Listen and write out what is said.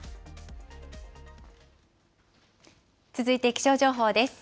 続いて気象情報です。